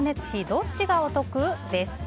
どっちがおトク？です。